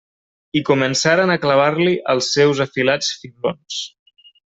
I començaren a clavar-li els seus afilats fiblons.